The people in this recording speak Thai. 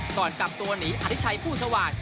ก่อนกลับตัวหนีอธิชัยผู้สว่าง